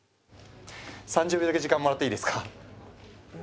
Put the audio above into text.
３０秒だけ時間もらっていいですか？